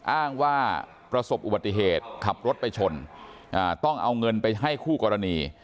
อ้างว่าประสบอุบัติเหตุขับรถไปชนต้องเอาเงินไปให้คู่กรณี